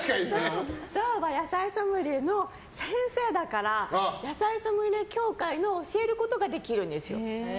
上は野菜ソムリエの先生だから野菜ソムリエ協会で教えることができるんですよ。